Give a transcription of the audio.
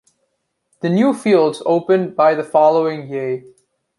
The new fields opened by the following yea.